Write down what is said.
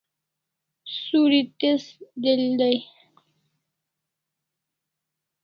Suri tez del dai